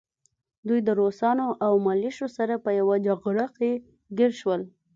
دوی د روسانو او ملیشو سره په يوه جګړه کې ګیر شول